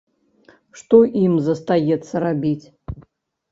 Што ім застаецца рабіць?